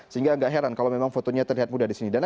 sehingga tidak heran kalau memang fotonya terlihat muda disini